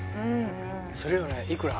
するよねいくら？